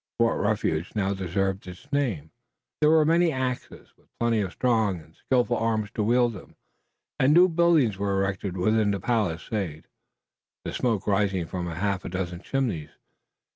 Fort Refuge now deserved its name. There were many axes, with plenty of strong and skillful arms to wield them, and new buildings were erected within the palisade, the smoke rising from a half dozen chimneys.